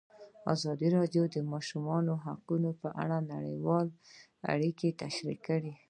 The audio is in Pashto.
ازادي راډیو د د ماشومانو حقونه په اړه نړیوالې اړیکې تشریح کړي.